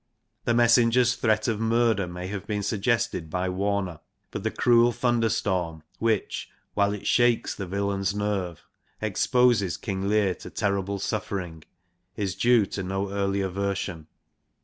The messenger's threat of murder may have been suggested by Warner, but the cruel thunderstorm, which, while it shakes the villain's nerve, exposes King Leir to terrible suffering, is due to no earlier version.